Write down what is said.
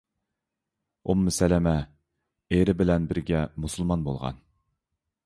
ئۇممۇ سەلەمە — ئېرى بىلەن بىرگە مۇسۇلمان بولغان.